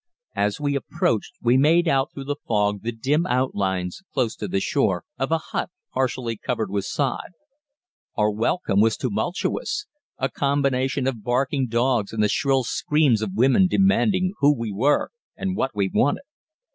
As we approached, we made out through the fog the dim outlines, close to the shore, of a hut partially covered with sod. Our welcome was tumultuous a combination of the barking of dogs and the shrill screams of women demanding to know who we were and what we wanted.